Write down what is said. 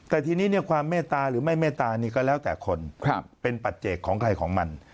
แต่ทีนี้ความเมตตาหรือไม่เมตตานี่ก็แล้วแต่คนเป็นปัจเจกของใครของมัน